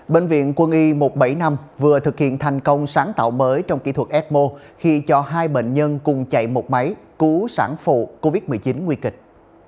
bệnh viện quân y một trăm bảy mươi năm vừa thực hiện thành công sáng tạo mới trong kỹ thuật ecmo khi cho hai bệnh nhân cùng chạy một máy cứu sản phụ covid một mươi chín nguy kịch